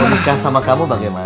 mau nikah sama kamu bagaimana